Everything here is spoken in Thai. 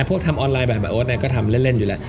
พวกทำออนไลน์แบบแบบโอ๊ตเนี่ยก็ทำเล่นอยู่แหละ